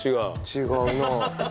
違うなあ。